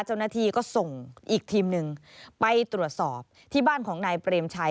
เจ้าหน้าที่ก็ส่งอีกทีมหนึ่งไปตรวจสอบที่บ้านของนายเปรมชัย